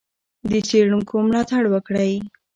د څېړونکو ملاتړ وکړئ.